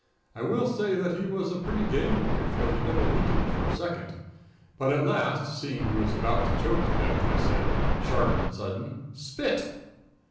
I will say that he was a pretty game boy, for he never weakened for a second. But at last, seeing he was about to choke to death, I said, sharp and sudden "Spit."